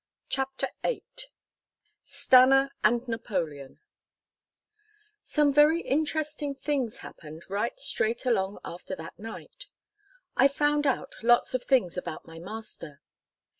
CHAPTER VIII STANNA AND NAPOLEON Some very interesting things happened right straight along after that night. I found out lots of things about my master.